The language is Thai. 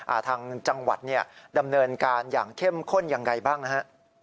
ทางจังหวัดเนี่ยดำเนินการอย่างเข้มข้นยังไงบ้างนะฮะ